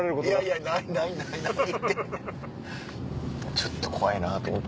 ちょっと怖いなと思って。